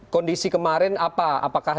kondisi kemarin apa apakah